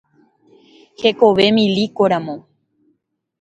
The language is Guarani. Hekove milíkoramo.